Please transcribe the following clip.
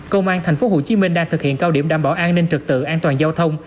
công an thành phố hồ chí minh đang thực hiện cao điểm đảm bảo an ninh trực tự an toàn giao thông